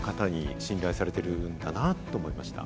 されてるんだなと思いました。